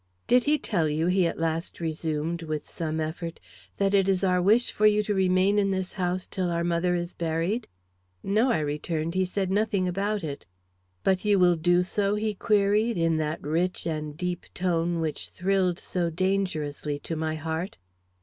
"Did he tell you," he at last resumed, with some effort, "that it is our wish for you to remain in this house till our mother is buried?" "No," I returned, "he said nothing about it." "But you will do so?" he queried, in that rich and deep tone which thrilled so dangerously to my heart.